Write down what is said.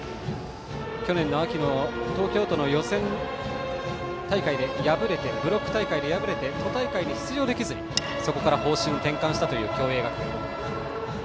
去年の秋の東京都の予選大会で敗れてブロック大会で敗れて都大会に出場できずにそこから方針転換したという共栄学園。